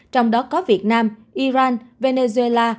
trong đó có việt nam iran venezuela